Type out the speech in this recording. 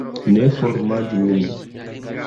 Ne formanĝu min!